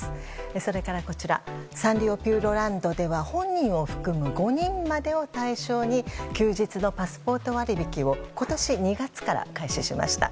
それからサンリオピューロランドでは本人を含む５人までを対象に休日のパスポート割引を今年２月から開始しました。